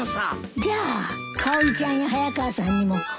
じゃあかおりちゃんや早川さんにも教えましょうか？